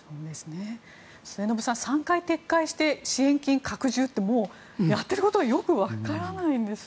末延さん、３回撤回して支援金拡充ってもうやってることがよくわからないです。